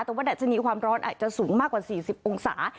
แต่ว่าดัชนีความร้อนอาจจะสูงมากกว่า๔๐องศา